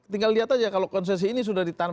tinggal lihat aja kalau konsesi ini sudah ditanam